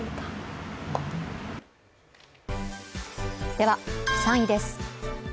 では、３位です。